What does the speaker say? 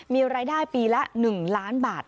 มีรายได้ปีละ๑ล้านบาท